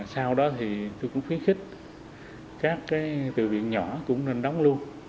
sau đó thì tôi cũng khuyến khích các cái từ viện nhỏ cũng nên đóng luôn